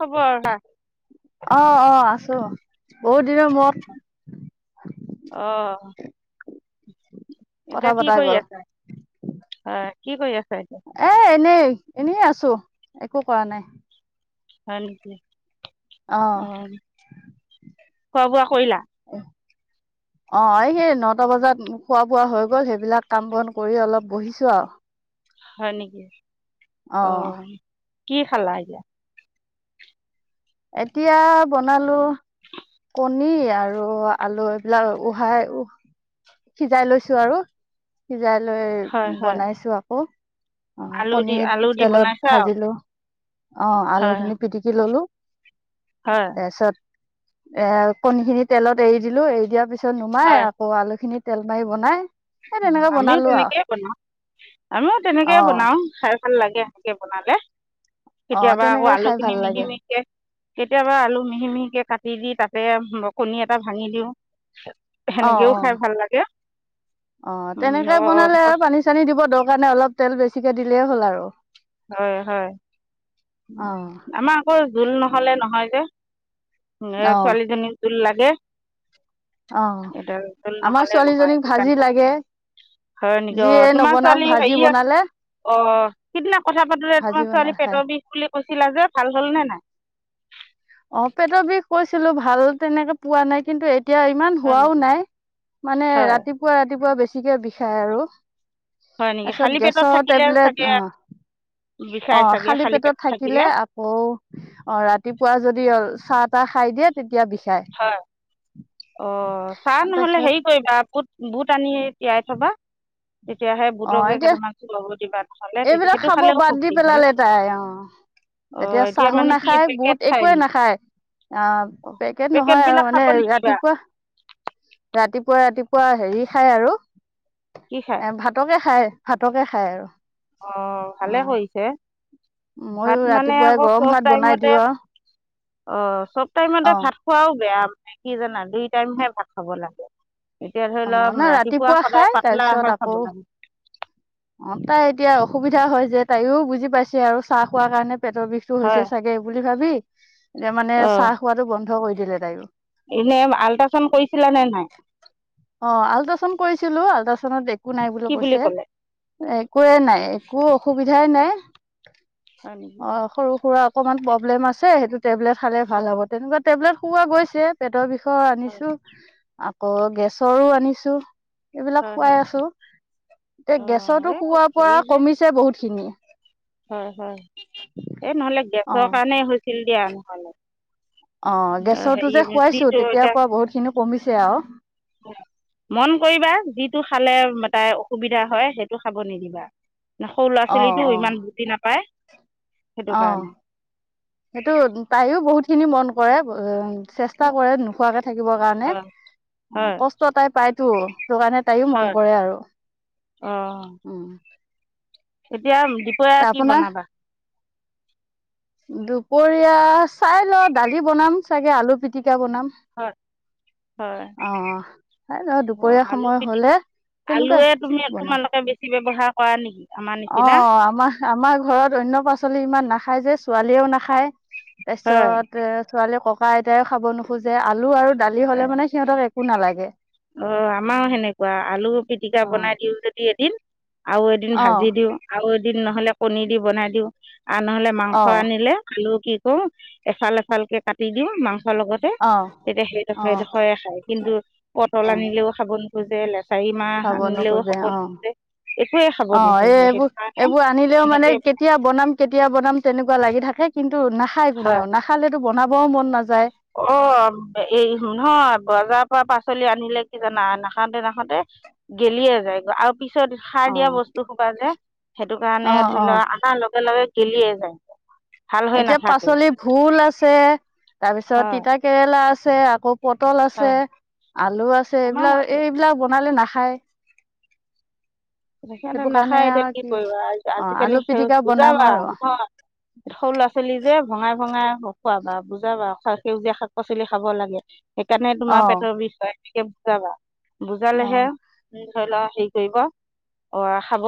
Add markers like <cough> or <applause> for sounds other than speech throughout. খবৰ ভাল অ অ আছো। বহুত দিনৰ মূৰত অ। কথা এতিয়া কি পতা কৰি গ'ল। আছা হয় কি কৰি আছ? এ এনেই এনেই আছো একো কৰা নাই। হয় নেকি অ খোৱা বোৱা কৰিলা। <unintelligible> অ এই সেই নটা বজাত খোৱা বোৱা হৈ গল সেইবিলাক কাম বন কৰি অলপ বহিছো আৰু। হয় নেকি অ কি খালা এতিয়া। এতিয়া বনালো। কণী আৰু আলু এইবিলাক উহাই উ সিজাই লৈছো আৰু সিজাই লৈ হয় হয় বনাইছো আকৌ। অ আলু দি কণী আলু দি তেলত বনাইছা আৰু ভাজিলো অ হয় আলুখিনি পিটিকি ললো। হয় তাৰপিছত এ কণী খিনি তেলত এৰি দিলো এৰি দিয়াৰ পিছত তাপিছত নুমাই হয় আকৌ আলু খিনি তেল মাৰি বনাই এ তেনেকে আমিও বনালো আৰু তেনেকেই বনাও আমিও তেনেকে অ বনাও খাই। ভাল লাগে সেনকে বনালে। অ কেতিয়াবা আকৌ তেনেকে আলু খাই খিনি ভাল মিহি লাগে মিহিকে কেতিয়াবা আলু মিহি মিহিকে কাটি দি তাতে কণী এটা ভাঙি দিওঁ অ সেনেকেও অ খাই ভাল লাগে। অ উম, অ' তেনেকে অ', বনালে আৰু পানী চানী দিব দৰকাৰ নাই অলপ তেল বেছিকে দিলেই হ'ল আৰু। হয় হয় অ আমাৰ আকৌ জোল নহলে নহয় যে। অ ছোৱালীজনীক জোল লাগে। অ এতিয়া জোল আমাৰ নহ'লে নহয় ছোৱালীজনীক শুকান ভাজি লাগে। হয় নেকি অ যিয়ে তোমাৰ নবনাওক ছোৱালী ভাজি হেৰি বনালে আছে অ সিদিনা কথা পাতোতে ভাজি তোমাৰ বনাই ছোৱালী খাই পেটৰ বিষ বুলি কৈছিলা যে ভাল হ'ল নে নাই। অ পেটৰ বিষ কৈছিলো ভাল তেনেকে পোৱা নাই কিন্তু এই এতিয়া ইমান হয় হোৱাও নেকি নাই মানে হয় ৰাতিপুৱা ৰাতিপুৱা বেছিকে বিষায় আৰু। হয় নেকি তাৰপিছত খালী পেটত গেছৰ থাকিলে টেবলেট চাগে অ। অ খালী পেটত থাকিলে আকৌ অ ৰাতিপুৱা যদি অ চাহ তাহ খাই দিয়ে তেতিয়া বিষ হয় অ চা নহলে তাৰপিছত হেৰি কৰিবা বুত বুট আনি তিয়াই থবা তেতিয়াাহে অ বুটকে এতিয়া কেইটামানো ল'ব দিবা। নহ'লে তেতিয়া এইবিলাক সেইটো খাব খালেও বাদ দি শক্তি হয় পেলালে তাই অ। অ' এতিয়া চাহো মানে কি নাখায় বুত পেকেট খাই একোৱে নি নাখায় আহ অ' পেকেট- নহয় আৰু পেকেটবিলাক মানে খাব নিদিবা ৰাতিপুৱা ৰাতিপ ৰাতিপুৱা-ৰাতিপুৱা হেৰি খায় আৰু কি খায় এ ভাতকে খায়, ভাতকে খায় আৰু অ' ভালে কৰিছে। ময়ো ভাত মানে ৰাতিপুৱাই আকৌ গৰম চব ভাত বনাই টাইমতে দিওঁ আৰু অ' চব অ টাইমতে ভাত খোৱাও বেয়া কি জানা? দুই টাইমহে ভাত খাব লাগে। এতিয়া ধৰি অ লওঁক নাই ৰাতিপুৱা খাই সদায় পাতলা তাৰপিছত আহাৰ আকৌ খাব লাগে। অ' তাই এতিয়া অসুবিধা হয় যে তাইও বুজি পাইছে আৰু চাহ খোৱাৰ কাৰণে পেটৰ বিষটো হয় হৈছে চাগে বুলি ভাবি এতিয়া মানে অ', চাহ খোৱাটো বন্ধ কৰি দিলে তাইও এনে আল্ট্ৰাচাউণ্ড কৰিছিলা নে নাই? অ' আল্ট্ৰাচাউণ্ড কৰিছিলো আল্ট্ৰাচাউণ্ডত একো নাই কি বোলি বুলি কৈছে। ক'লে একোৱে নাই একো অসুবিধাই নাই হয় নেকি অ' সৰু-সুৰা অকণমান প্ৰব্লেম আছে সেইটো টেবলেট খালে ভাল হয় হ'ব, তেনেকুৱা টেবলেট খোৱা গৈছে পেটৰ বিষ- ৰ হয় আনিছো আকৌ গেছৰো আনিছো। এইবিলাক হয় খুৱাই হয় আছো। এতিয়া অ', গেছৰটো এই খোৱাৰ পৰা কমিছে বহুতখিনি হয়-হয়, এই নহলে অ গেছৰ কাৰণে হৈছিল দিয়া নহলে অ' হেৰি গেছৰটো যে খুৱাইছো যিটো তেতিয়াৰ এতিয়া পৰা বহুত খিনি কমিছে আৰু মন কৰিবা যিটো খালে- তাই অসুবিধা হয়। সেইটো খাব নিদিবা সৰু ল'ৰা ছোৱালীটো ইমান বু্জি নাপায় সেইটো অহ' কাৰণে সেইটো তাইও বহুতখিনি মন কৰে উ- চেষ্টা কৰে নোখোৱাকে থাকিবৰ কাৰণে হয় অ' হয় কষ্ট তাই পায়তো। সেইটো কাৰণে তাইও মন হয় কৰে আৰু অঁ উম। এতিয়া দুপৰীয়া কি আপোনাৰ বনাবা? দুপৰীয়া চাই লওঁ, দালি বনাম চাগে আলু পিটি- কা বনাম। হয় হয় আহ' হয় ত' অঁ দুপৰীয়া আলু সময় পিটি হ'লে তেনেকুৱা আলুৱে তুমি, তোমালোকে বেছি ব্যৱহাৰ কৰা নেকি? আমাৰ নিচিনা অঁ' আমাৰ আমাৰ ঘৰত অন্য পাচলি ইমান নাখায় যে ছোৱালীয়েও নাখায়। তাৰ হয় পিছত এ ছোৱালীৰ ককা-আইতাই খাব নোখোজে। আলু আৰু দালি হলে মানে সিহঁতক একো নালাগে। অ' আমাৰো সেনেকুৱা আলু পিটিকা অ', বনাই দিওঁ যদি এদিন আৰু এদিন অ'। ভাজি দিওঁ আৰু এদিন নহলে কণী দি বনাই দিওঁ আৰু নহলে অ মাংস আনিলে আলু কি কৰো এচাল, এচালকে কাটি দিওঁ মাংস- লগতে অ তেতিয়া সেইডোখৰ, অ সেইডোখৰে খায় কিন্তু অ পটল আনিলেও খাব নোখোজে লেচ- চাৰি মাহ খাব আনিলেও নোখোজে খা'ব অ নোখোজে। একোৱে খাব অ' এই নোখোজে সেইটো এইবোৰ, কাৰণে এইবোৰ আনিলেও মানে সেনেকে কেতিয়া বনাম, কেতিয়া বনাম তেনেকুৱা লাগি থাকে কিন্- তু নাখায় কোনেও, নাখালেতো বনাবও মন নাযা- অ' এই নহয় বজাৰৰ পৰা পাচ- চলি আনিলে কি জানা? নাখাওঁতে-নাখাওঁতে গেলিয়ে যায় আৰু পিছত অ সাৰ দিয়া বস্তুহুপা যে! সেইটো কাৰণে অ ধৰি অ লও আনাৰ লগে-লগে গেলিয়ে যায়। ভাল হৈ এতিয়া নাথাকে পাচলি ভোল আছে তাৰপিছত হয় তিতা কেৰেলা আছে আকৌ পটল হয় আছে, আলু আছে আমাৰো এইবিলাক, আছে এইবিলাক বনালে নাখায় সিহঁতে সেইটো কাৰণে নাখায় এতিয়া আৰু কি কৰিবা? অ আজিকালি আলু সেই পিটিকা বনাম বুজাবা আৰু নহয়। সৰু ল'ৰা ছোৱালী যে- ভঙাই ভঙাই খুৱাবা বুজাবা, সেউজীয়া শাক পাচলি খাব লাগে। সেইকাৰণে তোমাৰ অ পেটৰ বিষ হয় সনেকে বুজাবা অ বুজালেহে- ধৰি লোৱা হেৰি কৰিব অ- খাব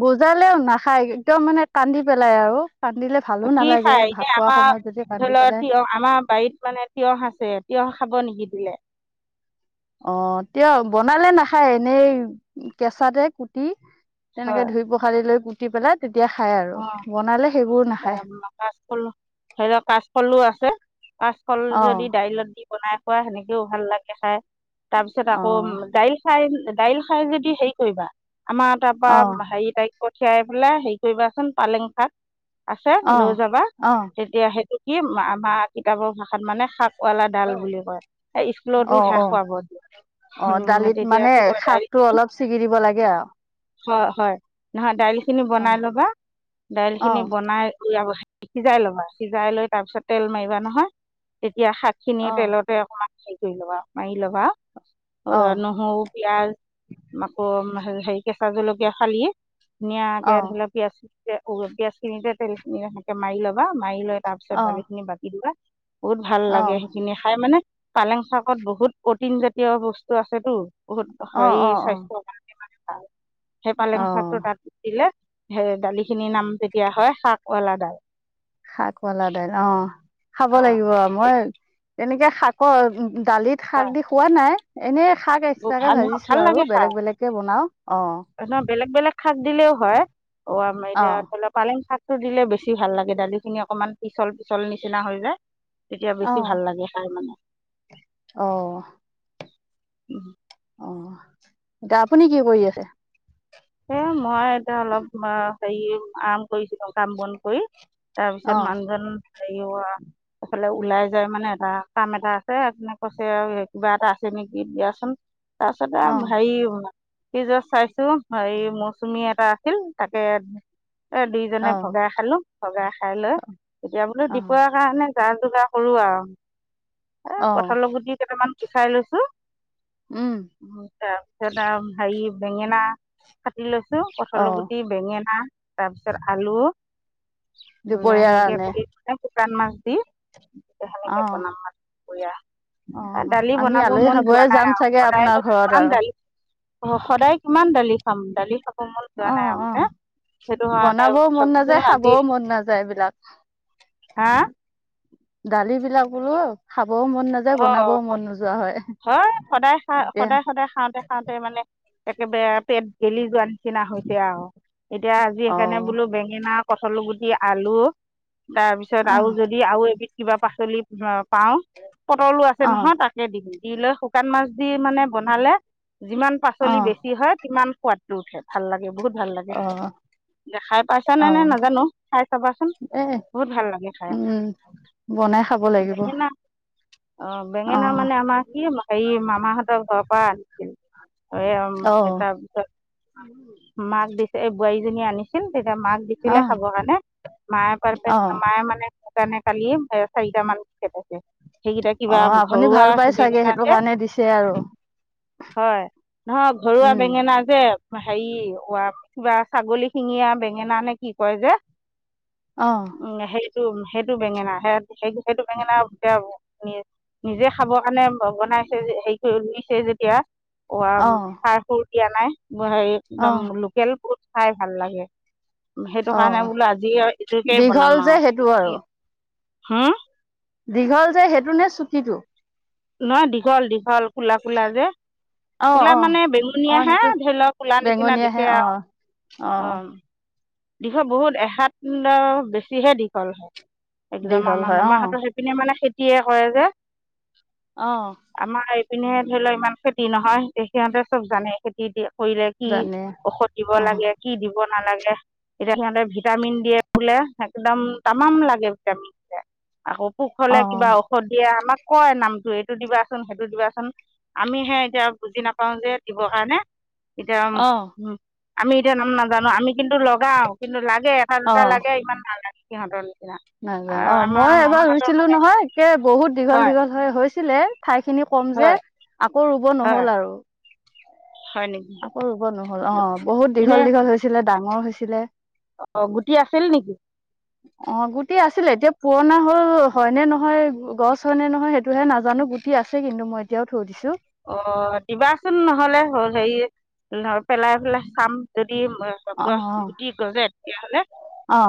বুজালেও নাখায়, একদম মানে কান্দি পেলাই আৰু কান্দিলে ভালো কি নালাগে খাই এ ভাত খোৱা আমাৰ সময়ত যদি ধৰি কান্দি ল পেলাই তিয়হ আমাৰ বাৰীত মানে তিয়হ আছে তিয়হ- খাব নিকি দিলে? অ', তেওঁ বনালে নাখায় এনেই কেঁচাতে কুটি তেনেকে হয় ধুই পখালি লৈ পুতি পেলাত আৰু বনালে সে <unintelligible> স্কুল ধৰি লওক কাচকলো আছে, কাচকল অ যদি দাইলত দি বনাই খোৱা সেনেকেও ভাল লাগে খাই, তাৰপিছত অ আকৌ দাইল খাই দাইল খাই যদি হেৰি কৰিবা, আমাৰ অ তাৰপৰা হেৰি তাইক পঠিয়াই পেলাই হে কৰিবাচোন পালেং শাক, আছে অ লৈ যাবা, অ তেতিয়া সে কি আমা-আমাৰ কিতাপৰ ভাষাত মানে শাক ৱালা ডাল বুলি কয়, সেই অ স্কুলতো অ সেইয়াই খুৱাব দিয়ে। অ', উম দালিত তেতিয়া মানে কি কয় শাকটো দাইলখিনি অলপ ছিঙি দিব লাগে আৰু হয় হয়, নহয় দাইল খিনি অ বনাই ল'বা, দাইল অ খিনি বনাই <unintelligible> সিজাই ল'বা, সিজাই লৈ তাৰ পিছত তেল মাৰিবা নহয়, তেত ইয়াৰ শাক খিনি অ তেলতে অকমান হেৰি কৰি ল'বা, মাৰি ল'বা অ', নহৰু পিয়াজ, আকৌ হে-হেৰি কেঁচা জলকীয়া ফালি অ ধুনীয়াকে ধৰি লোৱা পিয়াজ-পিয়াজ খিনিতে তেলখিনি সেনেকে মাৰি ল'বা, মাৰি লৈ তাৰ পিছত অ অ দালিখিনি বাকি দিবা, বহুত ভাল অ লাগে অ সেইখিনি খাই মানে পালেং শাকত বহুত প্ৰটিন জাতীয় বস্তু আছেতো। বহুত হেৰি অ স্বাস্থ্যৰ কাৰণে মানে ভাল, সেই পালেং অ অ শাকটো তাত দিলে সেয়ে দালি খিনিৰ নাম তেতিয়া হয় শাকৱালা দাল। শাকৱালা দাইল, অ', খাব অঁ লাগিব, মই তেনেকে শাকৰ দালিত শাক হয় দি খোৱা নাই, এনেই শাক বৰ এক্সট্ৰাকে ভাল নহয় ভাজিছো ভাল আৰু লাগে খাই বেলেগ বেলেগ কে বনাও, অ'। নহয় বেলেগ বেলেগ শাক দিলেও হয়, অ' আমাৰ অ এতিয়া ধৰি লোৱা পালেং শাক। দিলে বেছি ভাল লাগে, দালিখিনি অকনমান পিচল পিচল নিচিনা হৈ যায়। তেতিয়া অ বেছি ভাল লাগে খাই মানে, অ উম অ', এতিয়া আপুনি কি কৰি আছে? এ মই এতিয়া অলপ তোমাৰ হেৰি, আম কৰিছিলো কাম বন কৰি, তাৰ পিছত অ মানুহজন হেৰি হোৱা এফালে ওলাই যায় মানে, এটা কাম এটা আছে, অথনি কৈছে আৰু কিবা এটা আছে নেকি, দিয়াচোন। তাৰ পিছতে অ আম-হেৰি, এই জাষ্ট চাইছো হেৰি, মৌচুমী এটা আছিল তাকে এ দুইজনে অ ভগাই খালো, ভগাই খাই লৈ তেতিয়া বুলো অ দুপৰীয়াৰ কাৰণে যা-যোগাৰ কৰো আৰু, এ অ কঁঠালৰ গুটি কেইটামান গুচাই লৈছো। উম তাৰপিছত আৰু হেৰি, বেঙেনা কাটি লৈছ ছো, অ কঠালৰ গুটি, বেঙেনা, তাৰ পিছত আলু উম দুপৰীয়াৰ সেনেকে কাৰণে কৰি পেলাই শুকান মাছ দি, এতিয়া অ সেনেকে বনাম আৰু দুপৰীয়া। অ এ দালি আমি বনাব আলহী মন যোৱা খাবয়ে নাই যাম আৰু, চাগে আপোনাৰ সদায়নো ঘৰত কিমান আৰু দালি অ', সদায় কিমান দালি খাম, দালি খাব মন যোৱা অ নাই আৰু অ মানে। সেইটো কাৰণে বনাবও মন ভাবিছো নাযায় <unintelligible> খাবও মন নাযায় এইবিলাক হা? দালি বিলাক বুলো, খাব মন নাযায়, অঁ বনাবও মন নোযোৱা হ হয়, সদায় খা-সদায় সদায় খাওঁতে খাওঁতে মানে একেবাৰে পেট গেলি যোৱা নিচিনা হৈছে আৰু, এতিয়া আজি অ সেইকাৰণে বোলো বেঙেনা কঠাল গুটি, আলু, তাৰপিছত অ আৰু যদি আৰু এবিধ কিবা পাচলি প-পাওঁ পটলো আছে অ নহয় তাকে দিম, দি লৈ শুকান মাছ দি মানে বনালে যিমান অ পাচলি বেছি হয়, সিমান সোৱাদটো উঠে, ভাল লাগে বহুত ভাল লাগে অ খাই। দেখাই পাইছা নে অ নাই নাজানো, খাই চাবাচোন। এ বহুত ভাল লাগে খাই উম বনাই খাব লাগিব বেঙেনা অ অ বেঙেনা মানে আমাৰ কি হেৰি মামাহঁতৰ ঘৰৰ পৰা আনিছিল এাৰ অ পিছত মাক দিছে এই বোৱাৰীজনী আনিছে ছিল তেতিয়া মাক অ দিছিলে খাব কাৰণে মায়ে পাৰ অ মায়ে মানে সেইকাৰণে কালি চাৰিট মান সেইকেইটা অ কিবা আপুনি ঘৰুৱা ভাল পাই আছে চাগে বেঙেনা সেইটো যে কাৰণে দিছে আৰু হয়, নহয় ঘৰুৱা উম বেঙেনা যে হেৰি কিবা ছাগলী শিঙীয়া বেঙেনা নে কি কয় যে, অ উ সেইটো সেইটো বেঙেনা স সেই সেইটো বেঙেনা নি-নিজে খাবৰ কাৰণে বনাইছে হেৰি কৰি লছে যেতিয়া অ, সাৰ সুৰ দিয়া নাই হৰি অ একদম লোকেল ফু খাই ভাল লাগে সেইটো অ কাৰণে বোলো আজি আৰু এইটোকেই দীঘল বনাম যে সেইটো আৰু কি হম দীঘল যে সেইটো নে চুটীটো নহয় দীঘল দীঘল কলা কলা যে অ কওলা অ মানে অ বেঙুনীয়া হে সেইটো ধৰি লওক কোলা নিচিনা দেখে আৰু আহ অঁ দীঘল বহুত এসাত বেছিহে দীঘল হয় একদম দীঘল আমাৰ হয় অ মামাহঁতৰ সেইপিনে মানে খেতিয়ে কৰে যে অ আমাৰ এইপিনে ধৰি লও ইমান খেতি নহয় সিহঁতে চব জানেই খেতি দিয়ে কৰিলে কি জানে ঔষধ দিব অ লাগে কি দিব নালাগে এতিয়া সিহঁতে ভিটামিন দিয়ে বোলে একদম তামাম লাগে ভিটামিন দ আকৌ পুোক হলে কিবা অ', ঔষধিয়ে আমাক কয় ন এইটো দিবাচোন সেইটো দিবাচোন আমিহে এতিয়া বুজি নাপাওঁ যে দিবৰ কাৰণে এতিয়া অ', আমি ইতি নাম নাজানো আমি কিন্তু লগাও কিন্তু লাগে এটা দুটা লাগে ইমান নালাগে সিহঁতলৈ নাই-নাই অ মই এবাৰ ৰুইছিলো মানে নহয় একে বহুত দীঘল হয় দীঘল হৈ হৈছিলে ঠাই খিনি কম যে হয় আকৌ ৰুব হয় নহল আৰু হয় নেকি আকৌ ৰুব নহল অ বহুত এনে দীঘল দীঘল হৈছিলে ডাঙৰ হৈছিলে অ গুটি আছিল নেকি অ গুটি আছিলে এতিয়া পুৰণা হল হয় নে নহয় গছ হয় নে নহয় সেইটোহে নাজানো গুটি আছে কিন্তু মই এতিয়াও থৈ দিছো অ দিবাচোন নহ'লে হেৰি পেলাই পেলাই চাম অ', অ', গুটি গছে তেতিয়াহ'লে অ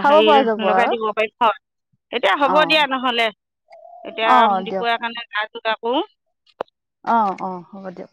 খাব হেৰি পৰা যাব লগাই আৰু দিব পাৰি এতিয়া হ'ব অ', দিয়া নহলে এতিয়া অ', দিয়ক দুপৰীয়া কাৰণে ভাত যোগাৰ কৰো অ অ হ'ব দিয়ক।